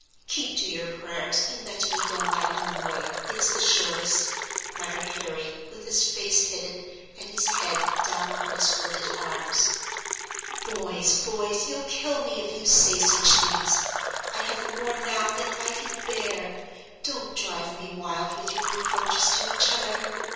"Keep to your prayers, and let me go my own way, it's the shortest," muttered Harry, with his face hidden, and his head down on his folded arms. "Boys, boys, you'll kill me if you say such things! I have more now than I can bear. Don't drive me wild with your reproaches to each other!"